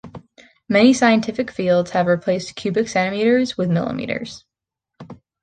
Many scientific fields have replaced cubic centimeters with milliliters.